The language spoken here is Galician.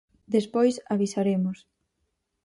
Despois avisaremos.